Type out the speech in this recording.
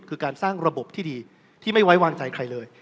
คือการสร้างระบบที่ดีที่ไม่ไว้วางใจใครเลย